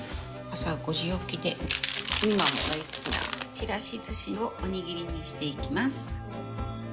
朝５時起きで、美誠の大好きなちらしずしをお握りにしていきます。